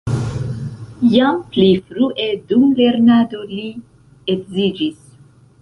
Jam pli frue dum lernado li edziĝis.